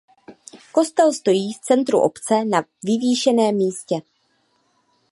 Kostel stojí v centru obce na vyvýšeném místě.